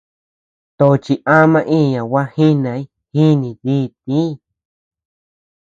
Tochi ama iña gua jínay, jíni díi tíñ.